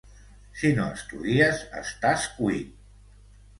Si no estudies, estàs cuit!